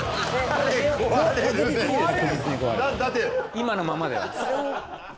今のままではね。